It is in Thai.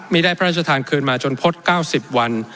ได้พระราชทานคืนมาจนพด๙๐วัน